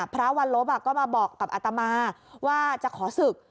พระวันลบก็มาบอกกับอัตมาว่าจะขอศึก